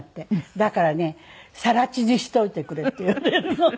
だからね「更地にしておいてくれ」って言われるの。